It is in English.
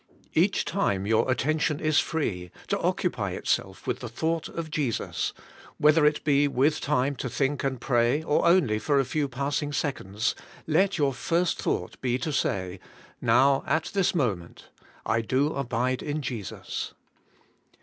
Each time your attention is free to occupy itself with the thought of Jesus, — whether it be with time to think and pray, or only for a few passing seconds, — let your first thought be to say, Now, at this moment, I do abide in Jesus.